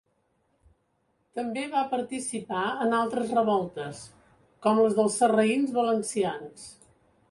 També va participar en altres revoltes, com les dels sarraïns valencians.